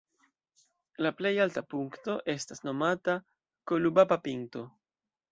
La plej alta punkto estas nomata "Kolubaba"-pinto.